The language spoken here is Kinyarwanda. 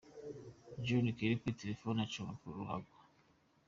John Kelly kuri telephone aconga na ruhago.